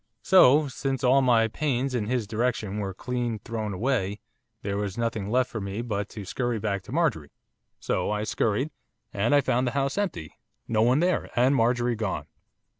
So, since all my pains in his direction were clean thrown away, there was nothing left for me but to scurry back to Marjorie, so I scurried, and I found the house empty, no one there, and Marjorie gone.